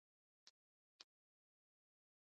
نور نو څه نه لرم.